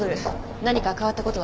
何か変わったことは？